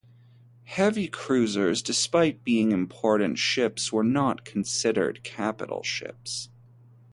Heavy cruisers, despite being important ships, were not considered capital ships.